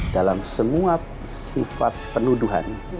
dalam semua sifat penuduhan